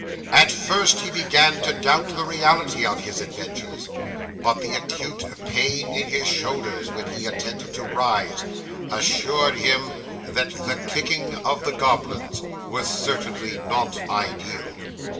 At first, he began to doubt the reality of his adventures, but the acute pain in his shoulders when he attempted to rise, assured him that the kicking of the goblins was certainly not ideal.